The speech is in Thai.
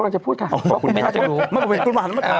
คุณโจให้กลับมาทำ